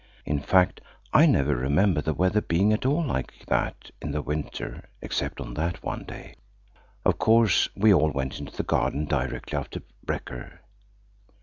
In fact, I never remember the weather being at all like that in the winter except on that one day. Of course we all went into the garden directly after brekker.